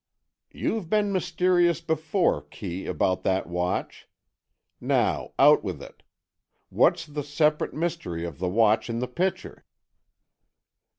"You've been mysterious before, Kee, about that watch. Now out with it. What's the separate mystery of the watch in the pitcher?"